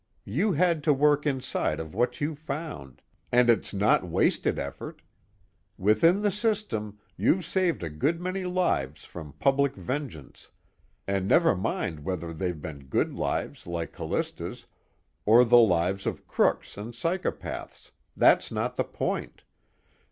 You had to work inside of what you found, and it's not wasted effort. Within the system, you've saved a good many lives from public vengeance and never mind whether they've been good lives like Callista's, or the lives of crooks and psychopaths, that's not the point.